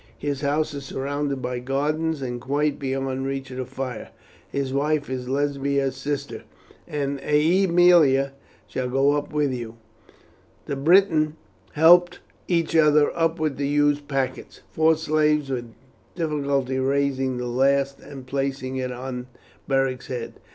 His house is surrounded by gardens, and quite beyond reach of fire. His wife is Lesbia's sister, and Aemilia shall go up with you." The Britons helped each other up with the huge packets, four slaves with difficulty raising the last and placing it on Beric's head.